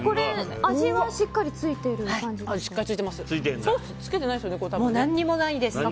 味はしっかりついてる感じですか？